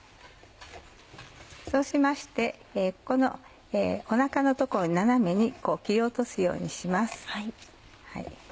そうしましてここのお腹の所を斜めに切り落とすようにします。